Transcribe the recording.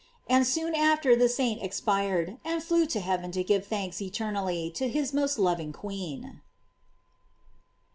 And soon after the saint expired, and flew to heaven to give thanks eternally to his most loving queen.